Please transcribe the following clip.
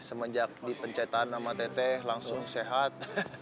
semenjak dipencetan sama teteh langsung sehat